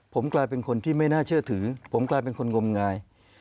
ผมกลายเป็นคนที่ไม่น่าเชื่อถือผมกลายเป็นคนงมงาย